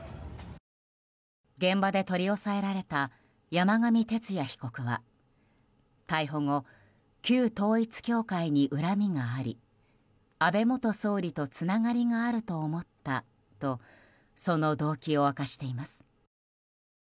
現場で取り押さえられた山上徹也被告は逮捕後、旧統一教会に恨みがあり安倍元総理とつながりがあると思ったとその動機を明かしています。